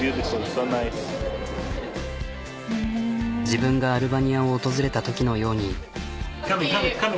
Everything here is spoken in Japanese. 自分がアルバニアを訪れたときのように。